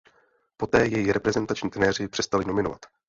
Poté jej reprezentační trenéři přestali nominovat.